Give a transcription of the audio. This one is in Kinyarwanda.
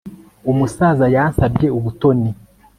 Umusaza yansabye ubutoni